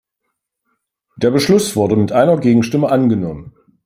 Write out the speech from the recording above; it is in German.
Der Beschluss wurde mit einer Gegenstimme angenommen.